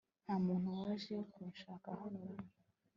nta muntu waje kunshaka hano ra